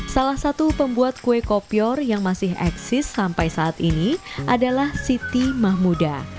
salah satu pembuat kue kopior yang masih eksis sampai saat ini adalah siti mahmuda